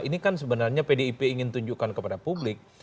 ini kan sebenarnya pdip ingin tunjukkan kepada publik